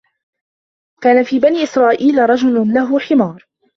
كَانَ فِي بَنِي إسْرَائِيلَ رَجُلٌ لَهُ حِمَارٌ